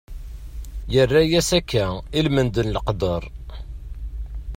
Yerra-as akka ilmend n leqder.